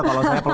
kalau saya pelit